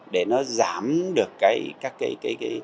để nó giảm được các cái